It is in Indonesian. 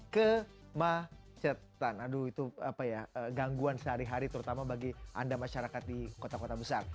kemacetan aduh itu apa ya gangguan sehari hari terutama bagi anda masyarakat di kota kota besar